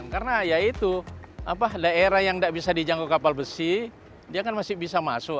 karena ya itu daerah yang tidak bisa dijangkau kapal besi dia kan masih bisa masuk